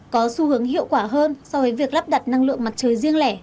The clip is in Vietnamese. có xu hướng hiệu quả hơn so với việc lắp đặt năng lượng mặt trời riêng lẻ